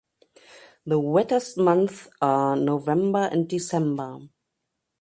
The wettest months are November and December.